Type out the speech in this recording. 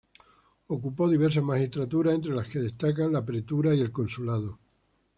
Ocupó diversas magistraturas, entre las que destacan la pretura y el consulado.